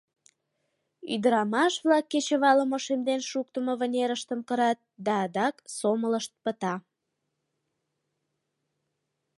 Ӱдырамаш-влак кечывалым ошемден шуктымо вынерыштым кырат, да адак сомылышт пыта.